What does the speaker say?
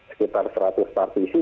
sekitar seratus partisi